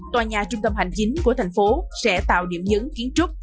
tòa nhà trung tâm hành chính tp vũng tàu sẽ tạo điểm nhấn kiến trúc